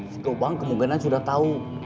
situ bang kemungkinan sudah tahu